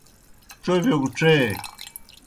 چربِیو گہ ڇے۔